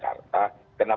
kenapa kita harus berbicara